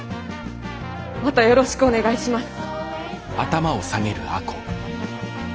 またよろしくお願いします。